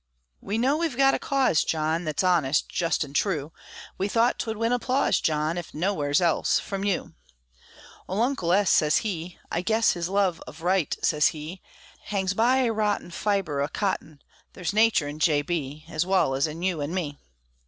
We know we've got a cause, John, Thet's honest, just, an' true; We thought 'twould win applause, John, If nowheres else, from you. Ole Uncle S. sez he, "I guess His love of right," sez he, "Hangs by a rotten fibre o' cotton: There's natur' in J. B., Ez wal ez in you an' me!"